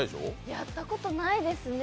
やったことないですね。